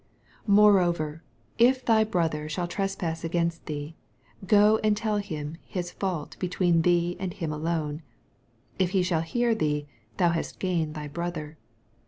15 Moreover if thy brother ehall trespass against thee, go and tell him his tanlt l^tween thee and him alone : if he shall hear thee, thou hast gained thy brother.